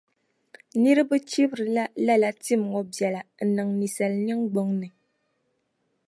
Niriba chibirila lala tim ŋɔ biɛla n-niŋ ninsala niŋgbuŋ ni.